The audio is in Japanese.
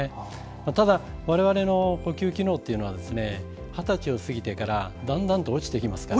ただ、我々の呼吸機能というのは二十歳を過ぎてからだんだんと落ちてきますから。